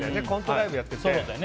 コントライブやってて。